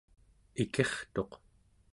ikirtuq